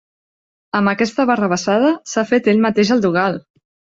Amb aquesta barrabassada s'ha fet ell mateix el dogal!